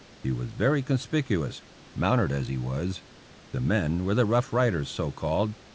He was very conspicuous, mounted as he was. The men were the 'Rough Riders,' so called.